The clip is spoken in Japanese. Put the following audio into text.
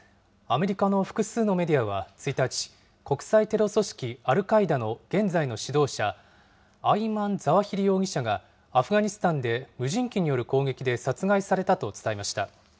アメリカの複数のメディアは１日、国際テロ組織アルカイダの現在の指導者、アイマン・ザワヒリ容疑者が、アフガニスタンで無人機による攻撃で殺害されたと伝えました。